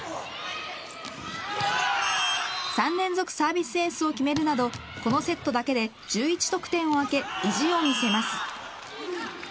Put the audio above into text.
３連続サービスエースを決めるなどこのセットだけで１１得点を挙げ意地を見せます。